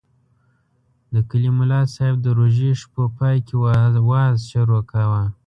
د کلي ملاصاحب د روژې شپو پای کې وعظ شروع کاوه.